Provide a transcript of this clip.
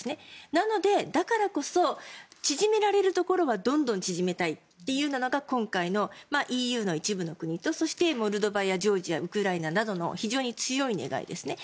なので、だからこそ縮められるところはどんどん縮めたいというのが今回のＥＵの一部の国とそしてモルドバ、ジョージアウクライナなどの非常に強い願いですね。